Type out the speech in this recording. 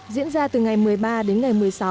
diễn ra từ ngày một mươi ba đến ngày một mươi sáu